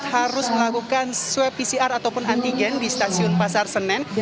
harus melakukan swab pcr ataupun antigen di stasiun pasar senen